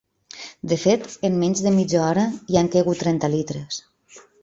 De fet, en menys de mitja hora hi han caigut trenta litres.